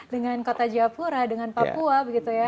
dengan kota jayapura dengan papua begitu ya